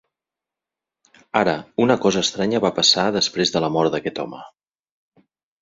Ara, una cosa estranya va passar després de la mort d'aquest home.